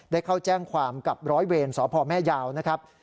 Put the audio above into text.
ได้เข้าแจ้งความกับร้อยเวรสพแม่ยาวนะครับ